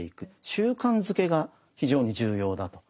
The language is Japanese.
習慣づけが非常に重要だと。